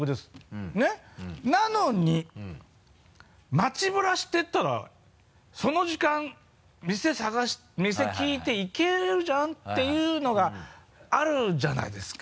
町ブラしてたらその時間店聞いて行けるじゃんっていうのがあるじゃないですか。